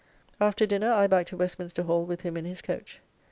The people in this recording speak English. After dinner I back to Westminster Hall with him in his coach.